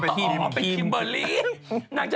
คิมเบอร์รีน